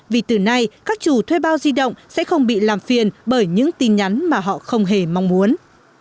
vì từ nay các chủ thuê bao di động sẽ không bị làm phiền bởi những tin nhắn mà họ không hề mong muốn